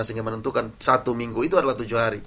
sehingga menentukan satu minggu itu adalah tujuh hari